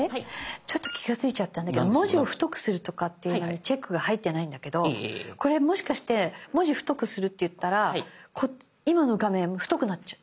ちょっと気が付いちゃったんだけど「文字を太くする」にチェックが入ってないんだけどこれもしかして文字太くするっていったら今の画面太くなっちゃう？